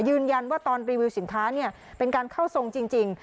ยืนยันว่าตอนรีวิวสินค้าเป็นการเข้าทรงจริง